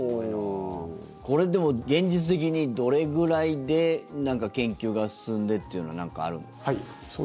これ、でも現実的にどれぐらいで研究が進んでというのは何かあるんですか？